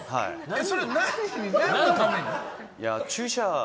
それは何のために？